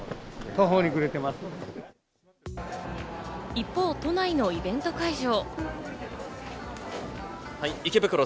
一方、都内のイベント会場。